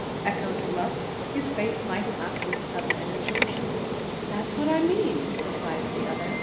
echoed Bluff, his face lighting up with sudden energy. "That's what I mean," replied the other.